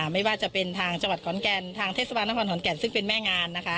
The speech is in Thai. ไม่ว่าจะเป็นทางจังหวัดขอนแก่นทางเทศบาลนครขอนแก่นซึ่งเป็นแม่งานนะคะ